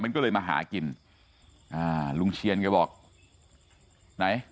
มันก็เลยมาหากินอ่าลุงเชียนแกบอกไหน